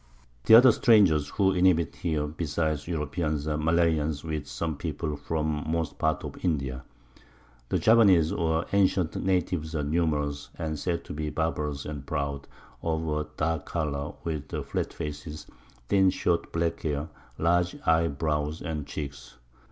The other Strangers, who inhabit here, besides Europeans, are Malayans, with some People from most part of India. The Javanese, or ancient Natives are numerous, and said to be barbarous and proud, of a dark Colour, with flat Faces, thin short black Hair, large Eye brows and Cheeks.